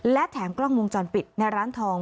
และแถมกล้องวงจรปิดในร้านทอง